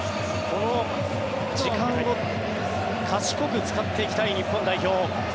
この時間を賢く使っていきたい日本代表。